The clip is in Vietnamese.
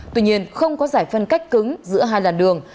tuy nhiên không có giải phân cách cứng giữa hai làn đường